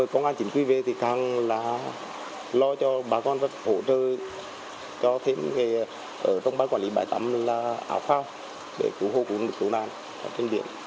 công an chỉnh quy về thì càng là lo cho bà con rất hỗ trợ cho thêm nghề ở trong bãi quản lý bãi tắm là ảo phao để cứu hô cứu nạn